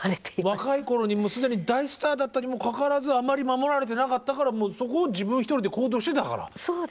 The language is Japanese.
若い頃に既に大スターだったにもかかわらずあんまり守られてなかったからそこを自分一人で行動してたから。